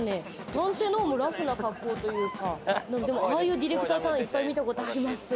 男性の方はラフな格好というか、ああいうディレクターさん、いっぱい見たことあります。